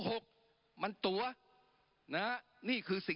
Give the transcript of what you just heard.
ปรับไปเท่าไหร่ทราบไหมครับ